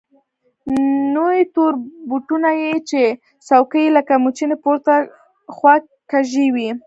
نوي تور بوټونه يې چې څوکې يې لکه موچڼې پورته خوا کږې وې.